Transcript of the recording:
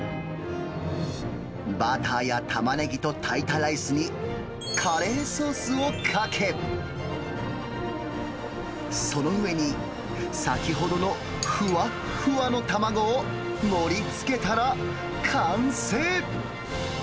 バターやタマネギと炊いたライスにカレーソースをかけ、その上に先ほどのふわっふわの卵を盛りつけたら、完成。